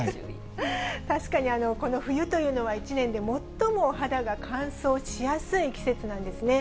確かにこの冬というのは、一年で最も肌が乾燥しやすい季節なんですね。